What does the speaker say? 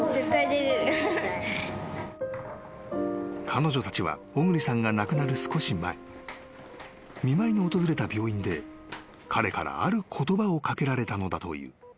［彼女たちは小栗さんが亡くなる少し前見舞いに訪れた病院で彼からある言葉を掛けられたのだという］